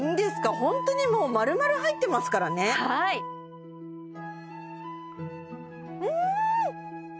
ホントにもう丸々入ってますからねはいうん！